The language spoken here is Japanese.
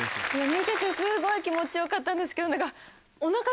見ててすごい気持ちよかったんですけど。